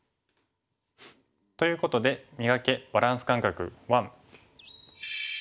ということで「磨け！バランス感覚１」。